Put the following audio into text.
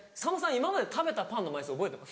今まで食べたパンの枚数覚えてます？